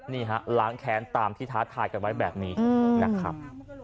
นี่ฮะล้างแค้นตามที่ท้าทายกันไว้แบบนี้นะครับ